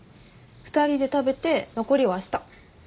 ２人で食べて残りはあした。